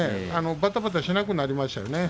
ばたばたしなくなりましたね。